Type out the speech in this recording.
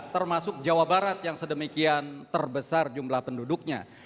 termasuk jawa barat yang sedemikian terbesar jumlah penduduknya